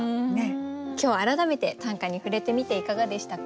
今日改めて短歌に触れてみていかがでしたか？